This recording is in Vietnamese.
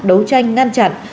đấu tranh ngăn chặn